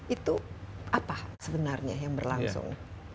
itu apa sebenarnya yang berlangsung